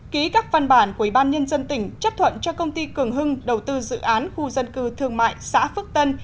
ký các văn bản của ủy ban nhân dân tỉnh chấp thuận cho công ty cường hưng đầu tư dự án khu dân cư thương mại xã phước tân